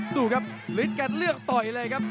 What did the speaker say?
ดูครับฤทธิ์กันเลือกต่อยเลยครับ